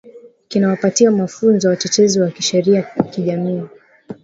kinawapatia mafunzo watetezi wa kisheria wa kijamii